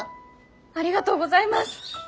ありがとうございます！